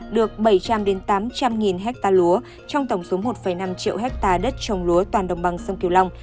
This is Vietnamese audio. được bảy trăm linh tám trăm linh ha lúa trong tổng số một năm triệu ha đất trồng lúa toàn đồng bằng sông cửu long